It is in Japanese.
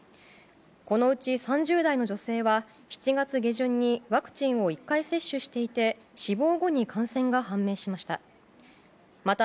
このうち、３０代の女性は７月下旬にワクチンを１回接種していて死亡後に感染が判明しました。